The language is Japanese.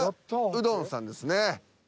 うどん」さんですね。